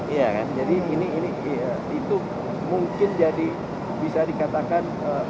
iya kan jadi ini itu mungkin jadi bisa dikatakan